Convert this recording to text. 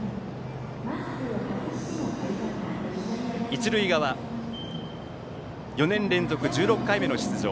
一塁側、４年連続１６回目の出場